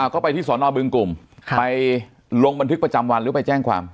ก็ไปที่สอนอบึงกลุ่มไปลงบันทึกประจำวันหรือไปแจ้งความ